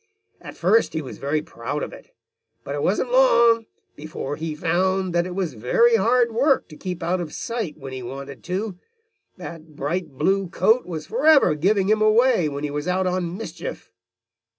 At first he was very proud of it, but it wasn't long before he found that it was very hard work to keep out of sight when he wanted to. That bright blue coat was forever giving him away when he was out on mischief.